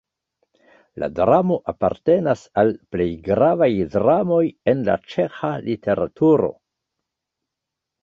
La dramo apartenas al plej gravaj dramoj en la ĉeĥa literaturo.